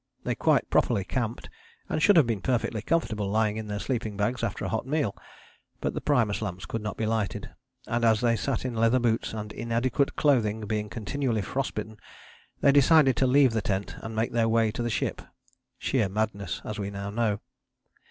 They quite properly camped, and should have been perfectly comfortable lying in their sleeping bags after a hot meal. But the primus lamps could not be lighted, and as they sat in leather boots and inadequate clothing being continually frost bitten they decided to leave the tent and make their way to the ship sheer madness as we now know.